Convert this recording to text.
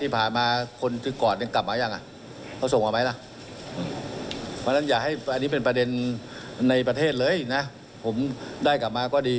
ฟังเสียงนายกครับ